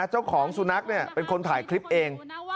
เจ้าของสุนัขเป็นคนถ่ายคลิปเอง